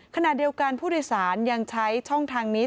ขณะเดียวกันผู้โดยสารยังใช้ช่องทางนี้